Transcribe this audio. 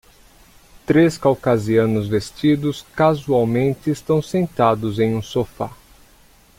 Três caucasianos vestidos casualmente estão sentados em um sofá.